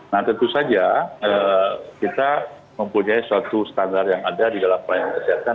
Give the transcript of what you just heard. nah tentu saja kita mempunyai suatu standar yang ada di dalam pelayanan kesehatan